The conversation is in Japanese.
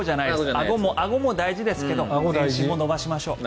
あごも大事ですけど全身を伸ばしましょう。